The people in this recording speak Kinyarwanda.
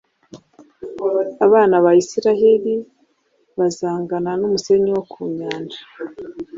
Abana ba Israheli bazangana n’umusenyi wo mu nyanja,